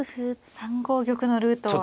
３五玉のルートを開けて。